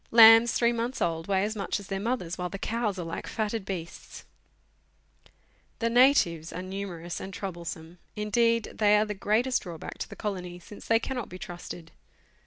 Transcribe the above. Lambs Letters from Victorian Pioneers. three months old weigh as much as their mothers, while the cows are like fatted beasts. The natives are numerous and troublesome ; indeed, they are the greatest drawback to the colony, since they cannot be trusted.